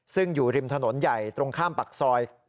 ซึ่งอยู่ริมถนนใหญ่ตรงข้ามปากซอย